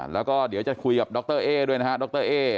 แล้วก็เดี๋ยวจะคุยกับดรเอ๊ด้วยนะฮะดรเอ๊